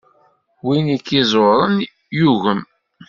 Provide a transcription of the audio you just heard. Win i k-iẓuren yugem.